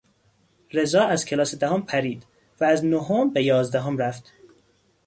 رضا از کلاس دهم پرید و از نهم به یازدهم رفت.